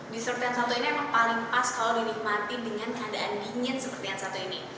dessert yang satu ini memang paling pas kalau dinikmati dengan keadaan dingin seperti yang satu ini